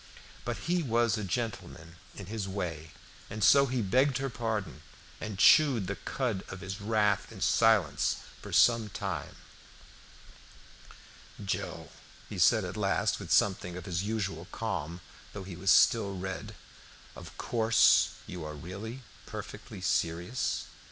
But he was a gentleman in his way, and so he begged her pardon, and chewed the cud of his wrath in silence for some time. "Joe," he said at last, with something of his usual calm, though he was still red, "of course you are really perfectly serious?